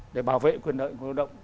để bảo vệ quyền lợi của người lao động